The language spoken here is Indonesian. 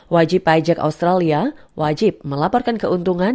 wajib pajak australia wajib melaporkan keuntungan